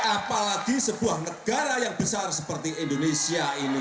apalagi sebuah negara yang besar seperti indonesia ini